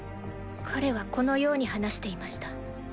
彼はこのように話していました。